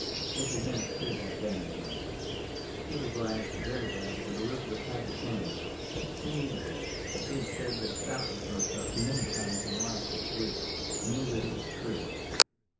It had been a pretty bad day in town. He was glad, very glad, that Elizabeth had the change. She needed it. He had said this stoutly to himself many times in the last six weeks, and knew that it was true.